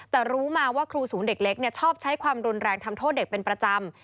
แต่รู้มาว่าครูศูนย์เด็กเล็กชอบใช้ความรุนแรงทำโทษเด็กเป็นประจำ